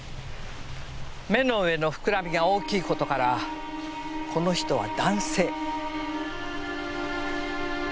目の上の膨らみが大きい事からこの人は男性。